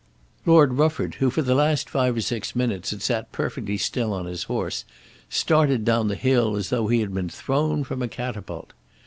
Lord Rufford, who for the last five or six minutes had sat perfectly still on his horse, started down the hill as though he had been thrown from a catapult.